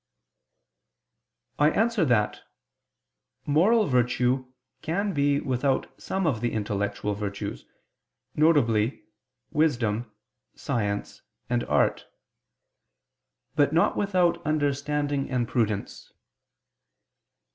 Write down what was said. I answer that, Moral virtue can be without some of the intellectual virtues, viz. wisdom, science, and art; but not without understanding and prudence.